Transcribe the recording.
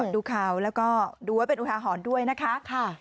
ดูข่าวแล้วก็ดูไว้เป็นอุทาหรณ์ด้วยนะคะ